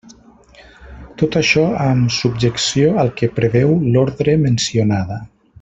Tot això amb subjecció al que preveu l'ordre mencionada.